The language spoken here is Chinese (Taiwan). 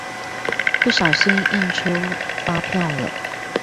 不小心印出發票了